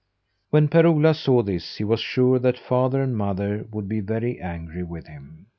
When Per Ola saw this he was sure that father and mother would be very angry with him.